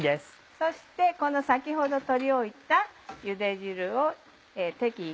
そしてこの先ほど取り置いたゆで汁を適宜。